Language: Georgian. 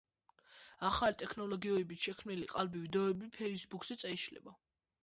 ახალი ტექნოლოგიებით შექმნილი ყალბი ვიდეოები „ფეისბუქზე“ წაიშლება.